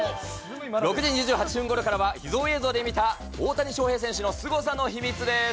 ６時２８分ごろからは、秘蔵映像で見た、大谷翔平選手のすごさの秘密です。